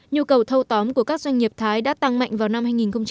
nhu cầu thâu tóm của các doanh nghiệp thái đã tăng mạnh vào năm hai nghìn một mươi